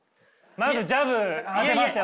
まずジャブ当てましたよ